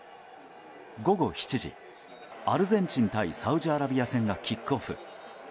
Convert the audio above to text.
午後７時、アルゼンチン対サウジアラビア戦がキックオフ。